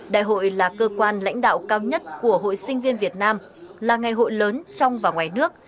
đại hội là cơ quan lãnh đạo cao nhất của hội sinh viên việt nam là ngày hội lớn trong và ngoài nước